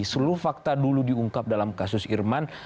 seluruh fakta dulu diungkap dalam kasus irman